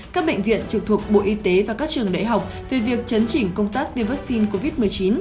các bệnh viện trực thuộc bộ y tế và các trường đại học về việc chấn chỉnh công tác tiêm vaccine covid một mươi chín